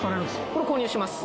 これ購入します